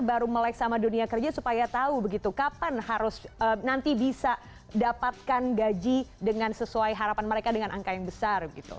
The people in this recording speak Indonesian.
baru melek sama dunia kerja supaya tahu begitu kapan harus nanti bisa dapatkan gaji dengan sesuai harapan mereka dengan angka yang besar